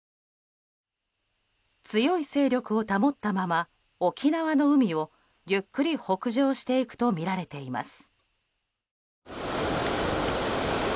強い勢力を保ったまま沖縄の海をゆっくり北上していくとみられています。